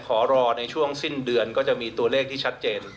ขอรอในช่วงสิ้นเดือนก็จะมีตัวเลขที่ชัดเจน